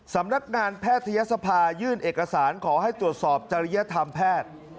สำนักงานแพทยศภายื่นเอกสารขอให้ตรวจสอบจริยธรรมแพทย์